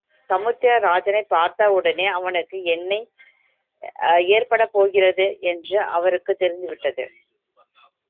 சமுத்திர ராஜனைப் பார்த்தவுடனே அவனுக்கு என்ன ஏற்படப் போகிறது என்று அவருக்குத் தெரிந்துவிட்டது.